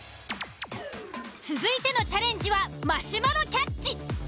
続いてのチャレンジはマシュマロキャッチ。